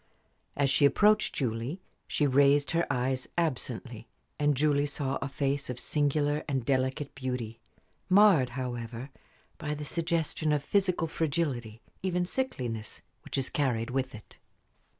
As she approached Julie she raised her eyes absently, and Julie saw a face of singular and delicate beauty, marred, however, by the suggestion of physical fragility, even sickliness, which is carried with it.